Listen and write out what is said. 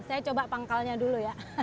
saya coba pangkalnya dulu ya